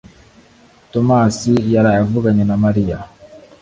Tomasi yaraye avuganye na Mariya